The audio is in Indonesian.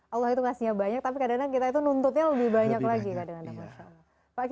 allah itu ngasihnya banyak tapi kadang kadang kita itu nuntutnya lebih banyak lagi